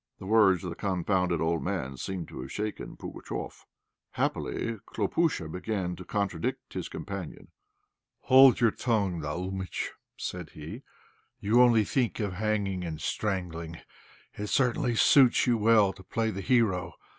The words of the confounded old man seemed to have shaken Pugatchéf. Happily, Khlopúsha began to contradict his companion. "Hold your tongue, Naúmitch," said he; "you only think of hanging and strangling. It certainly suits you well to play the hero.